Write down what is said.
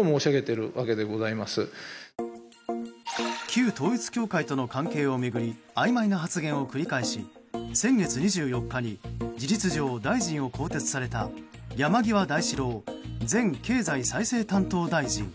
旧統一教会との関係を巡りあいまいな発言を繰り返し先月２４日に事実上、大臣を更迭された山際大志郎前経済再生担当大臣。